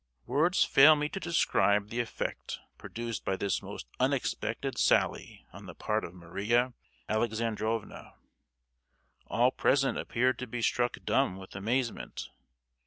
Words fail me to describe the effect produced by this most unexpected sally on the part of Maria Alexandrovna. All present appeared to be struck dumb with amazement.